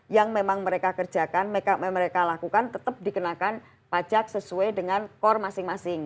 yang memang mereka kerjakan mereka lakukan tetap dikenakan pajak sesuai dengan core masing masing